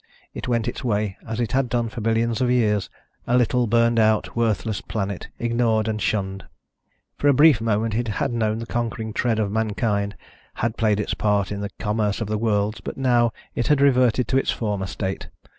It went its way, as it had gone for billions of years, a little burned out, worthless planet, ignored and shunned. For a brief moment it had known the conquering tread of mankind, had played its part in the commerce of the worlds, but now it had reverted to its former state